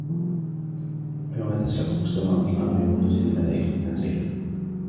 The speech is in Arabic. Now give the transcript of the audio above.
ويوم تشقق السماء بالغمام ونزل الملائكة تنزيلا